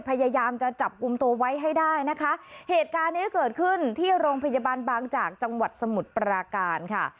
พยายามจะจับกลุ่มตัวไว้ให้ได้นะคะเหตุการณ์เนี้ยเกิดขึ้นที่โรงพยาบาลบางจากจังหวัดสมุทรปราการค่ะ